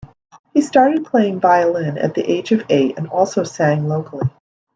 He started playing violin at the age of eight and also sang locally.